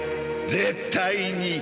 絶対に。